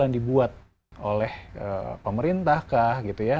yang dibuat oleh pemerintah kah gitu ya